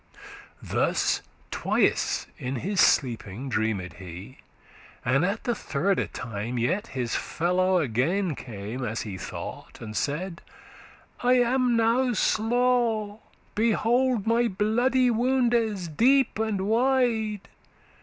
Thus twies* in his sleeping dreamed he, *twice And at the thirde time yet his fellaw again Came, as he thought, and said, 'I am now slaw;* *slain Behold my bloody woundes, deep and wide.